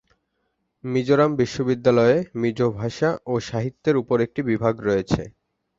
মিজোরাম বিশ্ববিদ্যালয়ে মিজো ভাষা ও সাহিত্যের উপর একটি বিভাগ রয়েছে।